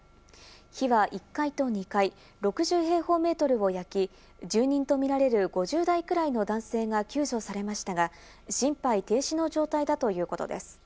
火は１階と２階、６０平方メートルを焼き、住人とみられる５０代くらいの男性が救助されましたが、心肺停止の状態だということです。